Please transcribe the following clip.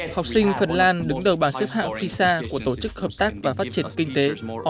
học sinh phần lan đứng đầu bảng xếp hạng pisa của tổ chức hợp tác và phát triển kinh tế